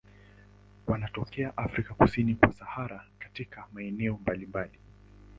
Wanatokea Afrika kusini kwa Sahara katika maeneo mbalimbali.